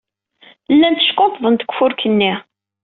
Llant ckunṭḍent deg ufurk-nni.